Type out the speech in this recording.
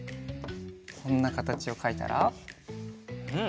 こんなかたちをかいたらうん！